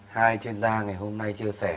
hai chuyên gia ngày hôm nay chia sẻ